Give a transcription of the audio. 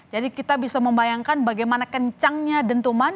jadi kita bisa membayangkan bagaimana kencangnya dentuman